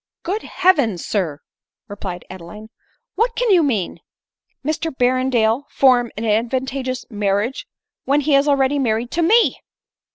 " Good heavens ! sir," replied Adeline ;" What can you mean ? Mr Berrendale form an advantageous mar riage when he is already married to me